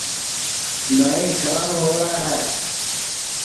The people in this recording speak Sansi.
نائی کھراب ہؤڑا ہے